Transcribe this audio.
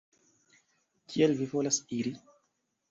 Kial vi volas iri?